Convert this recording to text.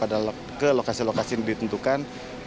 dan juga dari bph migas